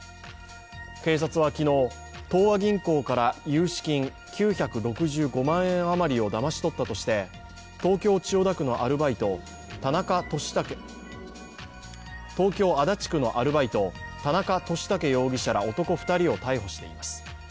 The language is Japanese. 警察は昨日、東和銀行から融資金９６５万円余りをだまし取ったとして東京・足立区のアルバイト田中利武容疑者ら男２人を逮捕しています。